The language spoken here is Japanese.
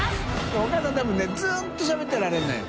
譴気多分ねずっとしゃべってられるのよ